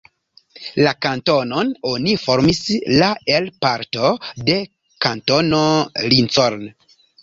La kantonon oni formis la el parto de Kantono Lincoln.